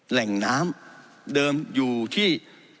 แหล่งน้ำเดิมอยู่ที่